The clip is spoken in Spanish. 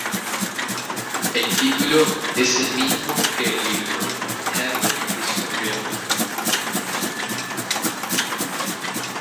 El título es el mismo que el libro: Heaven Is for Real.